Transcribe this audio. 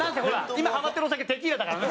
今ハマってるお酒テキーラだからね。